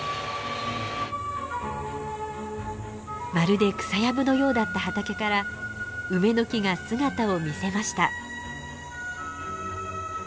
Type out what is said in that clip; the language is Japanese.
まるで草やぶのようだった畑から梅の木が姿を見せました。